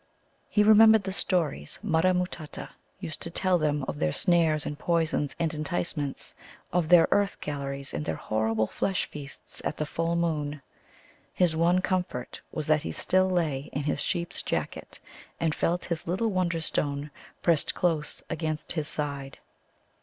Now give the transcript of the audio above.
He remembered the stories Mutta matutta used to tell him of their snares and poisons and enticements; of their earth galleries and their horrible flesh feasts at the full moon. His one comfort was that he still lay in his sheep's jacket, and felt his little Wonderstone pressed close against his side.